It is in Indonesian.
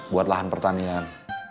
buat lahan pertanian